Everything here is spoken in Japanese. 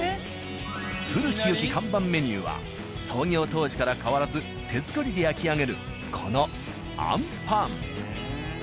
古きよき看板メニューは創業当時から変わらず手作りで焼き上げるこのあんぱん。